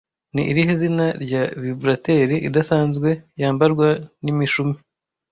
Ni irihe zina rya vibrateri idasanzwe yambarwa n'imishumi